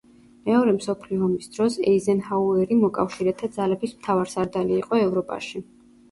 მეორე მსოფლიო ომის დროს ეიზენჰაუერი მოკავშირეთა ძალების მთავარსარდალი იყო ევროპაში.